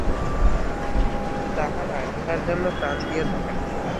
তাঁহারা ইহার জন্য প্রাণ দিয়া থাকেন।